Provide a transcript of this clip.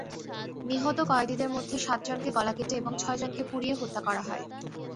নিহত কয়েদিদের মধ্যে সাতজনকে গলা কেটে এবং ছয়জনকে পুড়িয়ে হত্যা করা হয়।